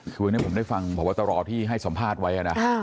คือวันนี้ผมได้ฟังพบตรที่ให้สัมภาษณ์ไว้นะ